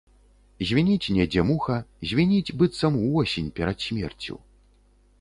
Звініць недзе муха, звініць, быццам увосень, перад смерцю.